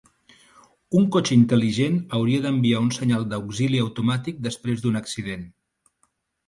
Un cotxe intel·ligent hauria d'enviar un senyal d'auxili automàtic després d'un accident.